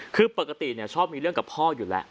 คือปกติชอบมีเรื่องกับพ่ออยู่แล้ว